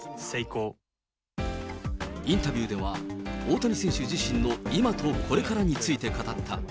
インタビューでは、大谷選手自身の今とこれからについて語った。